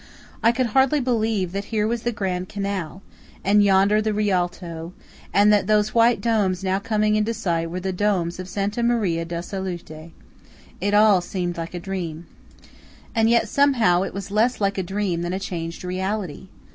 I could hardly believe that here was the Grand Canal, and yonder the Rialto, and that those white domes now coming into sight were the domes of Santa Maria della Salute. It all seemed like a dream. And yet, somehow, it was less like a dream than a changed reality.